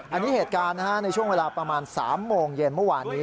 อันนี้เหตุการณ์ในช่วงเวลาประมาณ๓โมงเย็นเมื่อวานนี้